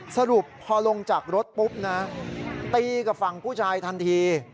สรุปพอลงจากรถปุ๊บนะตีกับฝั่งผู้ชายทันที